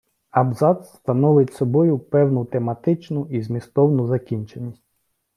Абзац становить собою певну тематичну і змістову закінченість.